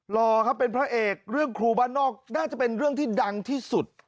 รอครับเป็นพระเอกเรื่องครูบ้านนอกน่าจะเป็นเรื่องที่ดังที่สุด